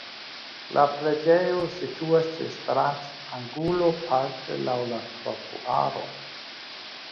La preĝejo situas ĉe stratangulo parte laŭ la trotuaro.